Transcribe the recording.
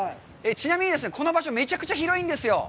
ちなみに、この場所、めちゃくちゃ広いんですよ。